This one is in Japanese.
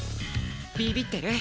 ビビってる？